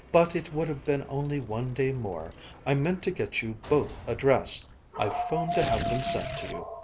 But it would have been only one day more. I meant to get you both a dress I've 'phoned to have them sent to you."